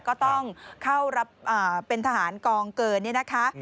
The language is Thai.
ก็ต้องเข้ารับเป็นทหารกองเกินเนี่ยนะคะ